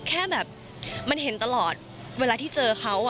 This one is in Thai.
แค่แบบมันเห็นตลอดเวลาที่เจอเขา